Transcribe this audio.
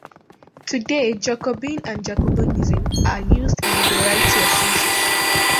Today, Jacobin and Jacobinism are used in a variety of senses.